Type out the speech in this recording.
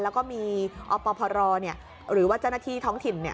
แล้วก็มีอปภรรณ์เนี่ยหรือว่าเจ้าหน้าที่ท้องถิ่นเนี่ย